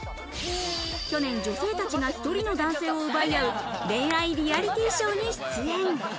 去年女性たちが１人の男性を奪い合う、恋愛リアリティーショーに出演。